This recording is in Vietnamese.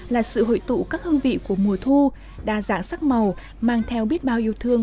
là sự hội tụ các hương vị của mùa thu đa dạng sắc màu mang theo biết bao yêu thương